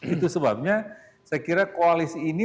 itu sebabnya saya kira koalisi ini